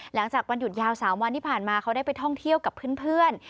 หลังจากวันหยุดยาว๓วันที่ผ่านมาเขาได้ไปท่องเที่ยวกับเพื่อน